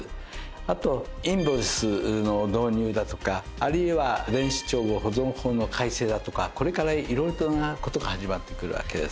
あとインボイスの導入だとかあるいは電子帳簿保存法の改正だとかこれから色々な事が始まってくるわけですね。